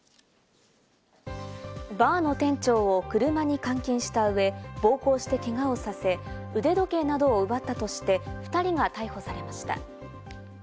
バーの店長を車に監禁したうえ、暴行してけがをさせ、腕時計などを奪ったとして２人が逮捕されました。